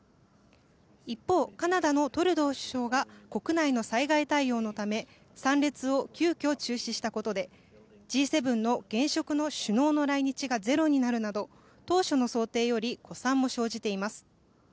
一方、カナダのトルドー首相が国内の災害対応のため参列を急きょ中止したことでＧ７の現職の首脳の来日がゼロになるなど、当初の想定より誤算も生じています。